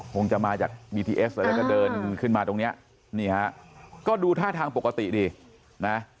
คงจะมาจากบีทีเอสอะไรแล้วก็เดินขึ้นมาตรงเนี้ยนี่ฮะก็ดูท่าทางปกติดีนะ